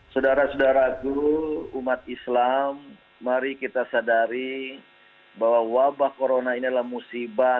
saudara saudaraku umat islam mari kita sadari bahwa wabah corona ini adalah musibah